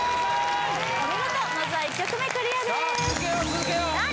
お見事まずは１曲目クリアですさあ